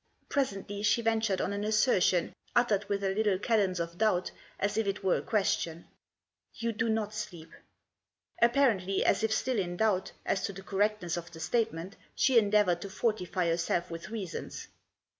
Presently she ventured on an assertion, uttered with a little cadence of doubt, as if it were a question, " You do not sleep." Apparently as if still in doubt as to the correctness of the statement, she endeavoured to fortify herself with reasons.